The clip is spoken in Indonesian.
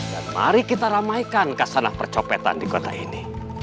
dan mari kita ramaikan kesanah percopetan di kota ini